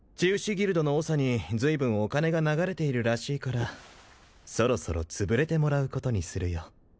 ギルドの長に随分お金が流れているらしいからそろそろ潰れてもらうことにするよ